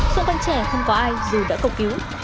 xung quanh trẻ không có ai dù đã cầu cứu